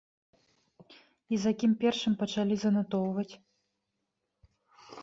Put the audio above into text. І за кім першым пачалі занатоўваць?